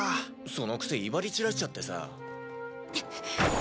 そのくせ威張り散らしちゃってさ。